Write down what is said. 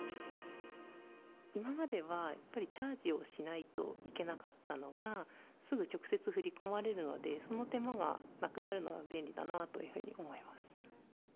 今まではやっぱりチャージをしないといけなかったのが、すぐ直接振り込まれるので、その手間がなくなるのは便利だなというふうに思います。